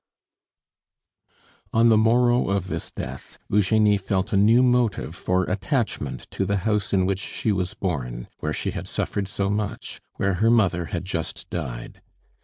XII On the morrow of this death Eugenie felt a new motive for attachment to the house in which she was born, where she had suffered so much, where her mother had just died.